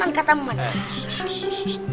anggatamu pak narji